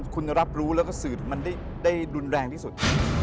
คุณรับรู้แล้วก็สื่อถึงมันได้รุนแรงที่สุด